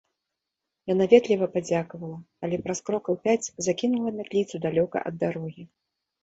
Яна ветліва падзякавала, але праз крокаў пяць закінула мятліцу далёка ад дарогі.